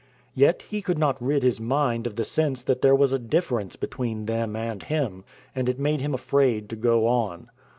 Yet he could not rid his mind of the sense that there was a difference between them and him, and it made him afraid to go on.